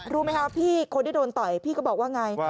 รู้ไหมครับพี่คนที่โดนต่อยพี่ก็บอกว่าอย่างไร